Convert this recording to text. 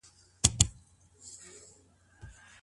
په شخړو کې د نجونو ورکول ډير لوی ظلم دی.